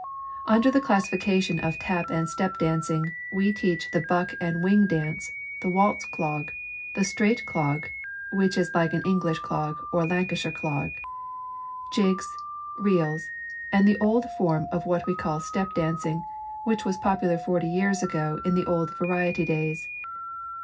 Under the classification of tap and step dancing, we teach the buck and wing dance, the waltz clog, the straight clog (which is like an English clog or a Lancashier clog), jigs, reels, and the old form of what we call step dancing, which was popular forty years ago in the old "variety" days.